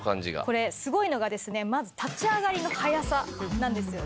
これすごいのがですねまず立ち上がりの早さなんですよね。